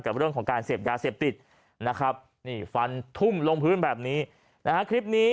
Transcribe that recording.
กับเรื่องของการเสพยาเสพติดนะครับนี่ฟันทุ่มลงพื้นแบบนี้นะฮะคลิปนี้